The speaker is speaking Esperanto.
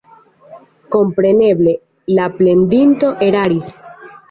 Kompreneble, la plendinto eraris.